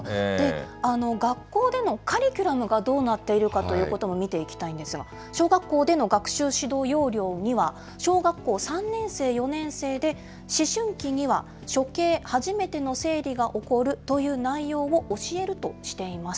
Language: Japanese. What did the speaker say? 学校でのカリキュラムがどうなっているかということも見ていきたいんですが、小学校での学習指導要領には、小学校３年生、４年生で、思春期には初経、初めての生理が起こるという内容を教えるとしています。